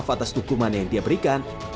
atas dukungan yang dia berikan